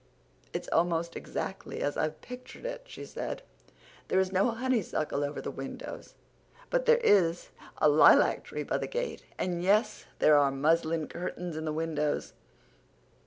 "It's almost exactly as I've pictured it," she said. "There is no honeysuckle over the windows, but there is a lilac tree by the gate, and—yes, there are the muslin curtains in the windows.